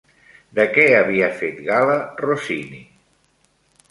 De què havia fet gala Rossini?